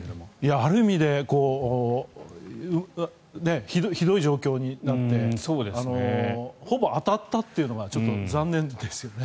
ある意味でひどい状況になってほぼ当たったというのがちょっと残念ですよね。